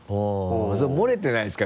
それ漏れてないですか？